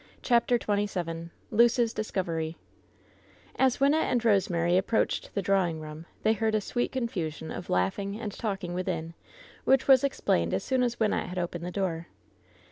CHAPTER XXVII luce's discoveey As Wynnettb and Rosemary approached the draw ing room they heard a sweet confusion of laughing and talking within; which was explained as soon as Wyn nette had opened the door.